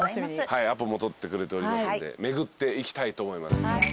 アポも取ってくれておりますんで巡っていきたいと思います。